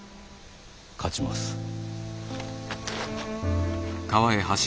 勝ちます。